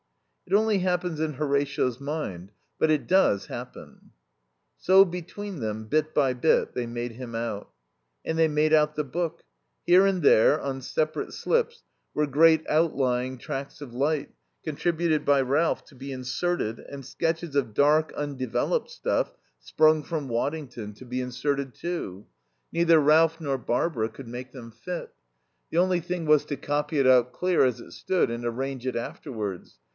"It only happens in Horatio's mind. But it does happen." So, between them, bit by bit, they made him out. And they made out the book. Here and there, on separate slips, were great outlying tracts of light, contributed by Ralph, to be inserted, and sketches of dark, undeveloped stuff, sprung from Waddington, to be inserted too. Neither Ralph nor Barbara could make them fit. The only thing was to copy it out clear as it stood and arrange it afterwards.